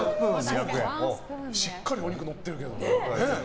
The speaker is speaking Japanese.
しっかりお肉のってるけど。